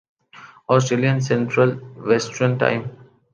Australian Central Western time